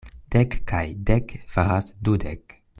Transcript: Dek kaj dek faras dudek.